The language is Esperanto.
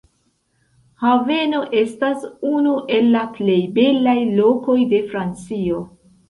Haveno estas unu el la plej belaj lokoj de Francio.